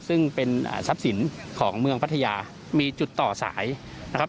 ซึ่งเป็นทรัพย์สินของเมืองพัทยามีจุดต่อสายนะครับ